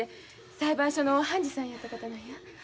裁判所の判事さんやった方なんや。